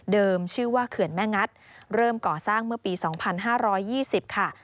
เดิมชื่อว่าเขื่อนแม่งัตเริ่มก่อสร้างเมื่อปีสองพันห้าร้อยยี่สิบค่ะ